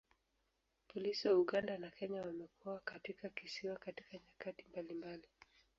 Polisi wa Uganda na Kenya wamekuwa katika kisiwa katika nyakati mbalimbali.